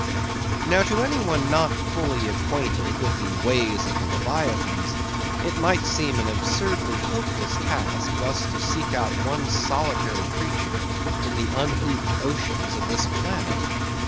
Now, to any one not fully acquainted with the ways of the leviathans, it might seem an absurdly hopeless task thus to seek out one solitary creature in the unhooped oceans of this planet.